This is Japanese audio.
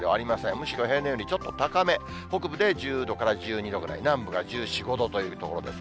むしろ平年よりちょっと高め、北部で１０度から１２度ぐらい、南部が１４、５度というところです。